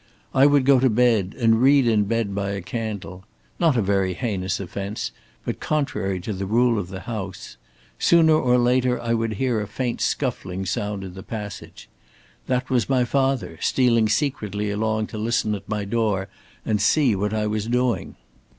I would go to bed and read in bed by a candle. Not a very heinous offence, but contrary to the rule of the house. Sooner or later I would hear a faint scuffling sound in the passage. That was my father stealing secretly along to listen at my door and see what I was doing.